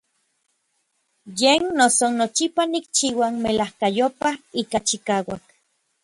Yen noso nochipa nikchiua melajkayopaj ika chikauak.